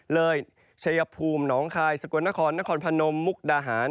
เลยชยพูมหนองคายสกวนนครนครพนมมุกดาหาร